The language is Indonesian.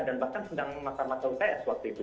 dan bahkan sedang masak masak uts waktu itu